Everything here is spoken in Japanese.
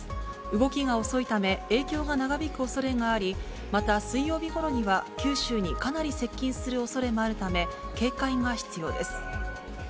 動きが遅いため、影響が長引くおそれがあり、また水曜日ごろには、九州にかなり接近するおそれもあるため、警戒が必要です。